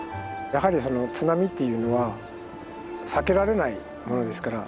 やはりその津波というのは避けられないものですから。